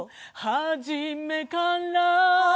「初めから」